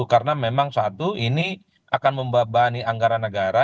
karena memang satu ini akan membahani anggaran negara